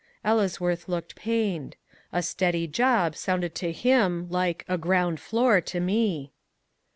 Ellesworth looked pained. A "steady job" sounded to him like a "ground floor" to me.